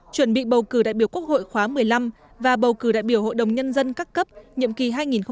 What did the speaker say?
chuẩn bị bầu cử đại biểu quốc hội khóa một mươi năm và bầu cử đại biểu hội đồng nhân dân các cấp nhiệm kỳ hai nghìn hai mươi một hai nghìn hai mươi sáu